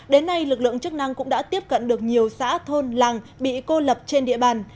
đến nay lực lượng chức năng cũng đã tiếp cận được nhiều xã thôn làng bị cô lập trên địa bàn